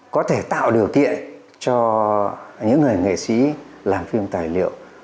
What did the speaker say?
có thể tạo điều kiện cho những người nghệ sĩ làm phim tài liệu